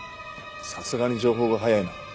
さすがに情報が早いな。